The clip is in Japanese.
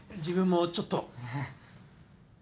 自分もちょっと。